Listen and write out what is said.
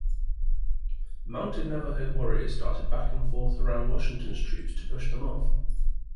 Mounted Navajo warriors darted back and forth around Washington's troops to push them off.